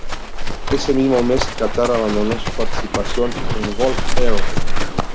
Ese mismo mes Catar abandonó su participación en Gulf Air.